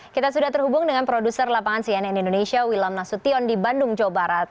kita sudah terhubung dengan produser lapangan cnn indonesia wilam nasution di bandung jawa barat